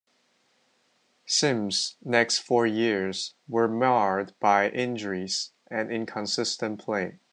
Simms' next four years were marred by injuries and inconsistent play.